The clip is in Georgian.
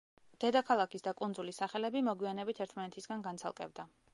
დედაქალაქის და კუნძულის სახელები მოგვიანებით ერთმანეთისგან განცალკევდა.